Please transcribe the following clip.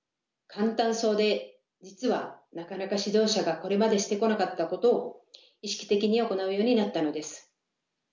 簡単そうで実はなかなか指導者がこれまでしてこなかったことを意識的に行うようになったのです。